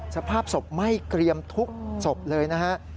สภาพศพไหม้เกรียมทุกศพเลยนะฮะ